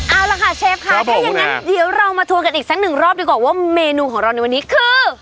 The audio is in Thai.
เอาล่ะค่ะเชฟค่ะถ้าอย่างนั้นเดี๋ยวเรามาทัวร์กันอีกสักหนึ่งรอบดีกว่าว่าเมนูของเราในวันนี้คือ